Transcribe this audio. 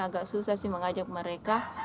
agak susah sih mengajak mereka